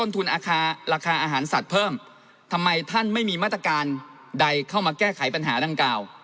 ทำไมท่านไม่มีมาตรการใดเข้ามาแก้ไขปัญหาดังกล่าว